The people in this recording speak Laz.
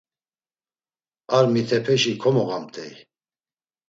Ar mitepeşi komoğamt̆ey.